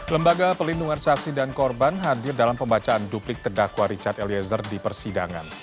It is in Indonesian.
lembaga pelindungan saksi dan korban hadir dalam pembacaan duplik terdakwa richard eliezer di persidangan